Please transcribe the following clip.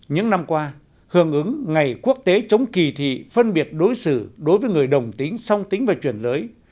những năm qua hưởng ứng ngày quốc tế chống kỳ thị phân biệt đối xử đối với người đồng tính song tính và chuyển lưới